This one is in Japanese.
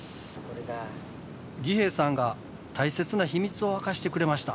儀兵衛さんが大切な秘密を明かしてくれました。